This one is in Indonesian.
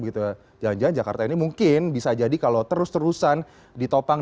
jangan jangan jakarta ini mungkin bisa jadi kalau terus terusan ditopang